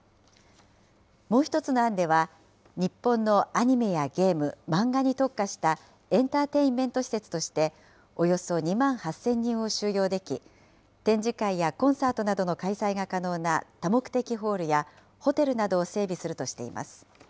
もう１つの案では、日本のアニメやゲーム、漫画に特化したエンターテインメント施設として、およそ２万８０００人を収容でき、展示会やコンサートなどの開催が可能な多目的ホールやホテルなどを整備するとしています。